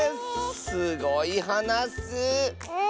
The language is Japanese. すごいはなッス！